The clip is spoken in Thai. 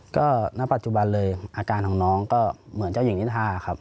ก็ณปัจจุบันเลยอาการของน้องก็เหมือนเจ้าหญิงนินทาครับ